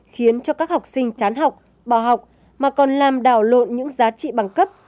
khiến cho các học sinh chán học bỏ học mà còn làm đảo lộn những giá trị bằng cấp